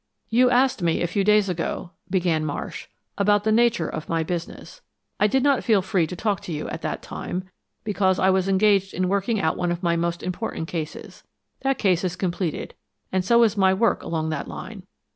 "You asked me a few days ago," began Marsh, "about the nature of my business. I did not feel free to tell you at that time, because I was engaged in working out one of my most important cases. That case is completed; and so is my work along that line.